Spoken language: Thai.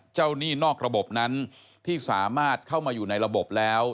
หนี้นอกระบบนั้นที่สามารถเข้ามาอยู่ในระบบแล้ว